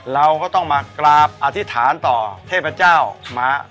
เราก็ต้องมากราบอธิษฐานต่อเทพเจ้าม้า